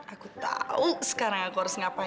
aku tahu sekarang aku harus ngapain